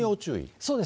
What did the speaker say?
そうです。